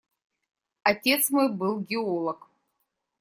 Отец мой был геолог.